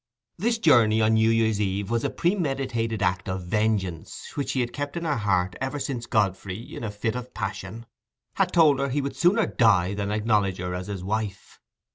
This journey on New Year's Eve was a premeditated act of vengeance which she had kept in her heart ever since Godfrey, in a fit of passion, had told her he would sooner die than acknowledge her as his wife.